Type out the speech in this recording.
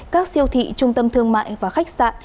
các siêu thị trung tâm thương mại và khách sạn